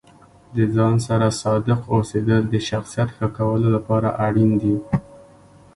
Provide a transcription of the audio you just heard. د ځان سره صادق اوسیدل د شخصیت ښه کولو لپاره اړین دي.